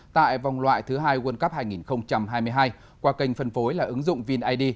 tại vòng loại thứ hai world cup hai nghìn hai mươi hai qua kênh phân phối là ứng dụng vinid